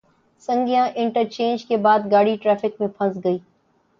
Saggian interchange کے بعد گاڑی ٹریفک میں پھنس گئی۔